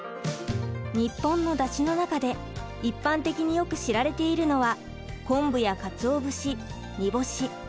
日本のだしの中で一般的によく知られているのは昆布やかつお節煮ぼし干ししいたけ。